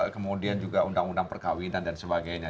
kemudian juga undang undang perkawinan dan sebagainya